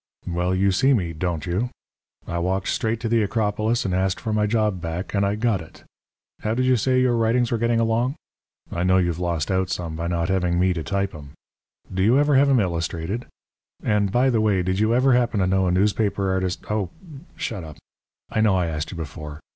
"Well, you see me, don't you? I walked straight to the Acropolis and asked for my job back, and I got it. How did you say your writings were getting along? I know you've lost out some by not having me to type 'em. Do you ever have 'em illustrated? And, by the way, did you ever happen to know a newspaper artist oh, shut up! I know I asked you before.